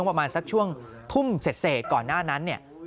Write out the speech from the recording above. ประมาณสักช่วงทุ่มเสร็จก่อนหน้านั้นเนี่ย